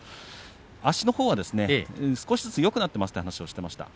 足のほうは少しずつよくなっていますという話をしていました。